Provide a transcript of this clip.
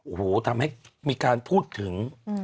โอ้โหทำให้มีการพูดถึง